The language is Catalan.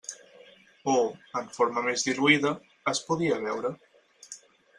O, en forma més diluïda, es podia beure.